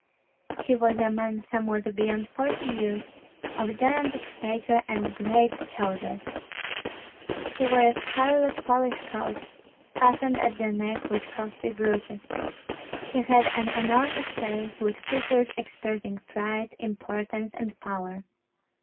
He was a man somewhat beyond forty years, of gigantic stature and great shoulders. He wore a scarlet Polish coat, fastened at the neck with costly brooches. He had an enormous face, with features expressing pride, importance, and power.